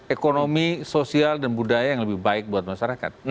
ekonomi sosial dan budaya yang lebih baik buat masyarakat